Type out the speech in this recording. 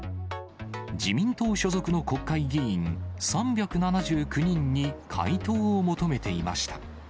自民党所属の国会議員３７９人に回答を求めていました。